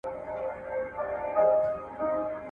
• غر که لوړ دئ، لار پر د پاسه ده.